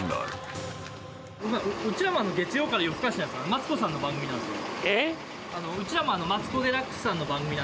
マツコさんの番組なんですよ。